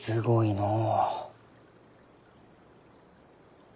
のう